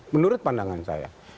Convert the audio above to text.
menurut pandangan saya